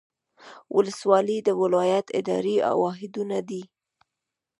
ولسوالۍ د ولایت اداري واحدونه دي